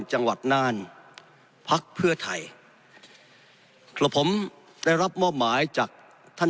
จังหวัดน่านพักเพื่อไทยกระผมได้รับมอบหมายจากท่าน